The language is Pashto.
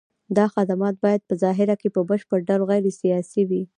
دا خدمات باید په ظاهر کې په بشپړ ډول غیر سیاسي وي.